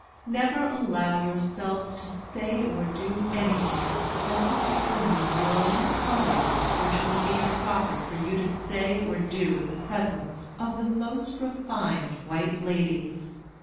Never allow yourselves to say or do anything in the presence of women of your own color which it would be improper for you to say or do in the presence of the most refined white ladies.